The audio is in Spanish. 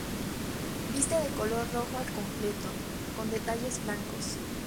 Viste de color rojo al completo, con detalles blancos.